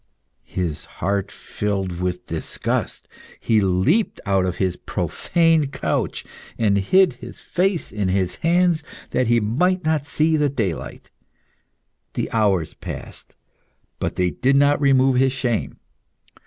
His heart filled with disgust, he leaped out of his profaned couch, and hid his face in his hands that he might not see the daylight. The hours passed, but they did not remove his shame.